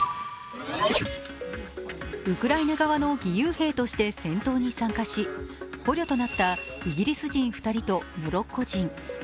ウクライナ側の義勇兵として戦闘に参加し、捕虜となったイギリス人２人とモロッコ人。